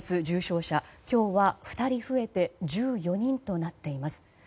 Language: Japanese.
重症者は今日は２人増えて１４人となっています。